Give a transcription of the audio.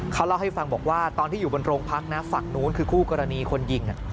เขาเล่าให้ฟังบอกว่าตอนที่อยู่บนโรงพักนะฝั่งนู้นคือคู่กรณีคนยิง